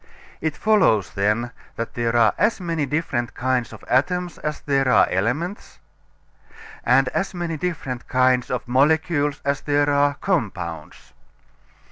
It follows, then, that there are as many different kinds of atoms as there are elements, and as many different kinds of molecules as there are compounds.